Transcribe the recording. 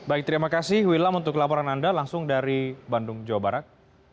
baik terima kasih wilam untuk laporan anda langsung dari bandung jawa barat